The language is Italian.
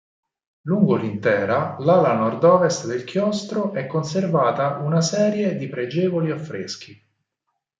Lungo l'intera l'ala nord-ovest del chiostro è conservata una serie di pregevoli affreschi.